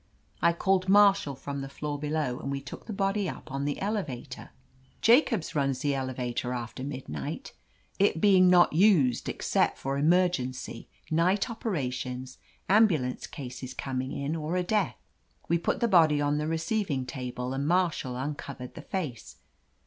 I called Marshall from the floor below, and we took the body up on the elevator. Jacobs runs the elevator after midnight, it being not used except for emer gency, night operations, ambulance cases com ing in, or a death. "We put the body on the receiving table, and Marshall uncovered the face.